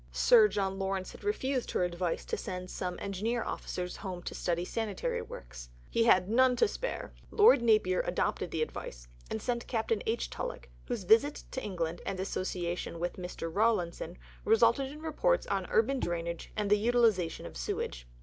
Sir John Lawrence had refused her advice to send some Engineer Officers home to study sanitary works; he had "none to spare." Lord Napier adopted the advice, and sent Captain H. Tulloch, whose visit to England and association with Mr. Rawlinson resulted in reports on urban drainage and the utilization of sewage.